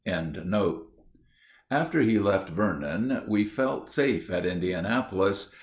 ] After he left Vernon we felt safe at Indianapolis.